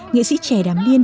nghệ sĩ trẻ đàm liên